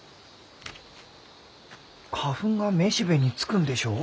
花粉が雌しべにつくんでしょう？